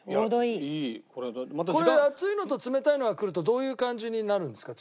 これ熱いのと冷たいのがくるとどういう感じになるんですか？